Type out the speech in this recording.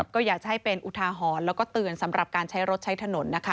ก็อยากจะให้เป็นอุทาหรณ์แล้วก็เตือนสำหรับการใช้รถใช้ถนนนะคะ